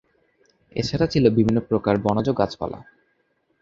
এছাড়া ছিল বিভিন্ন প্রকার বনজ গাছপালা।